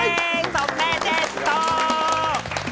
おめでとう！